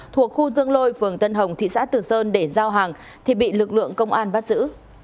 thuộc khu dương lôi phường tân hồng thị xã từ sơn để giao hàng thì bị lực lượng công an bắt giữ